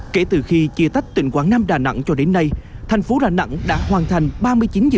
kể từ khi chia tách tỉnh quảng nam đà nẵng cho đến nay thành phố đà nẵng đã hoàn thành ba mươi chín dự án chung cư nhà ở xã hội